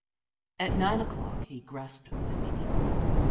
At nine o'clock, he grasped my meaning.